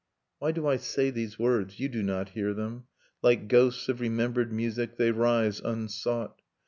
..'.. .Why do I say these words? You do not hear them. Like ghosts of remembered music, they rise unsought.